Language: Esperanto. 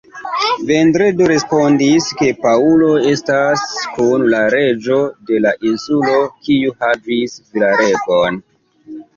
Vendredo respondis, ke Paŭlo estas kun la reĝo de la insulo, kiu havis viraregon.